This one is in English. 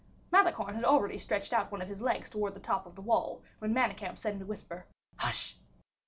Malicorne had already stretched out one of his legs towards the top of the wall, when Manicamp said, in a whisper, "Hush!"